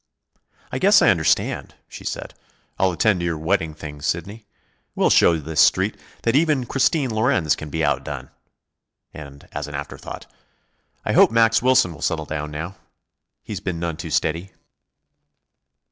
"I guess I understand," she said. "I'll attend to your wedding things, Sidney. We'll show this street that even Christine Lorenz can be outdone." And, as an afterthought: "I hope Max Wilson will settle down now. He's been none too steady."